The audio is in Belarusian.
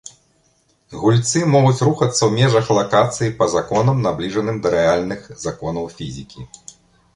Гульцы могуць рухацца ў межах лакацыі па законам, набліжаным да рэальных законаў фізікі.